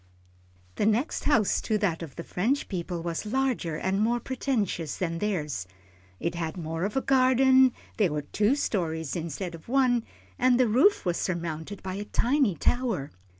The next house to that of the French people was larger and more pretentious than theirs. It had more of a garden, there were two stories instead of one, and the roof was surmounted by a tiny tower.